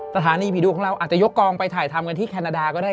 สถานีผีดุของเราอาจจะยกกองไปถ่ายทำกันที่แคนาดาก็ได้